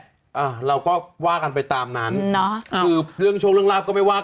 แต่เราก็ว่ากันไปตามนั้นคือช่วงเรื่องราบก็ไม่ว่ากัน